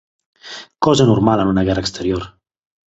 Cosa normal en una guerra exterior